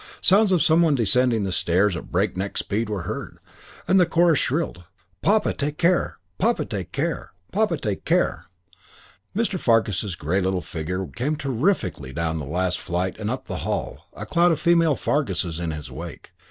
Sounds of some one descending the stairs at break neck speed were heard, and the chorus shrilled, "Papa, take care! Papa, take care! Papa, take care!" Mr. Fargus's grey little figure came terrifically down the last flight and up the hall, a cloud of female Farguses in his wake.